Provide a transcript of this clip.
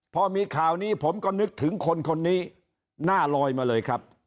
พอมีข่าวนี้ผมก็นึกถึงคนคนนี้หน้าลอยมาเลยครับ